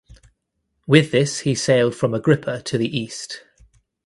With this he sailed from Agrippa to the east.